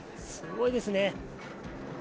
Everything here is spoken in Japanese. すごいですね！